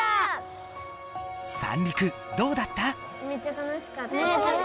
三陸どうだった？